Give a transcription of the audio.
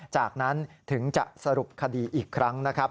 จากนั้นถึงจะสรุปคดีอีกครั้งนะครับ